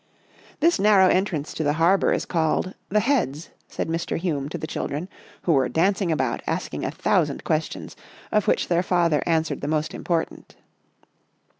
" This narrow entrance to the harbour is called ' the Heads,' " said Mr. Hume to the children, who were dancing about asking a thou sand questions, of which their father answered the most important.